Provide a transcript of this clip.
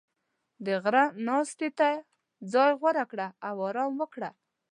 • د غره ناستې ته ځای غوره کړه او آرام وکړه.